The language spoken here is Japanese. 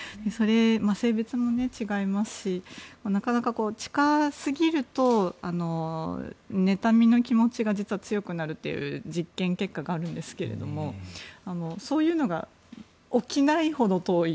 性別も違いますしなかなか近すぎると妬みの気持ちが実は強くなるという実験結果があるんですけれどもそういうのが起きないほど遠い。